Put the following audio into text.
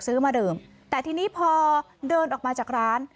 มาดื่มแต่ทีนี้พอเดินออกมาจากร้าน